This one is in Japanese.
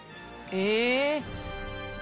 え！